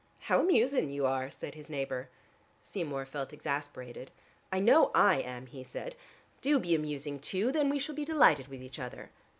"How amusin' you are," said his neighbor. Seymour felt exasperated. "I know I am," he said. "Do be amusing too; then we shall be delighted with each other."